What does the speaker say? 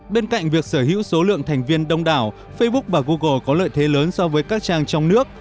bên cạnh việc sở hữu số lượng thành viên đông đảo facebook và google có lợi thế lớn so với các trang trong nước